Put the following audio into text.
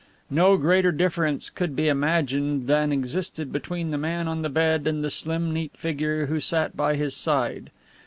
No greater difference could be imagined than existed between the man on the bed and the slim neat figure who sat by his side.